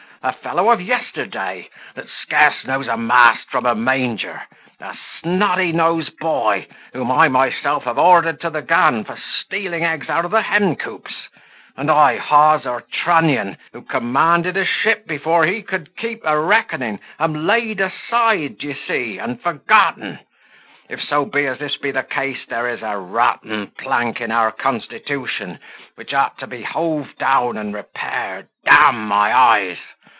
a fellow of yesterday, that scarce knows a mast from a manger! a snotty nose boy, whom I myself have ordered to the gun, for stealing eggs out of the hen coops! and I, Hawser Trunnion, who commanded a ship before he could keep a reckoning, am laid aside, d'ye see, and forgotten! If so be as this be the case, there is a rotten plank in our constitution, which ought to be hove down and repaired, d my eyes!